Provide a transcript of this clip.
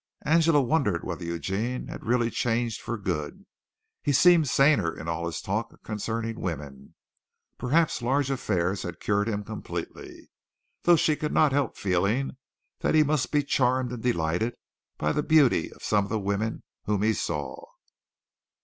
Angela wondered whether Eugene had really changed for good. He seemed saner in all his talk concerning women. Perhaps large affairs had cured him completely, though she could not help feeling that he must be charmed and delighted by the beauty of some of the women whom he saw.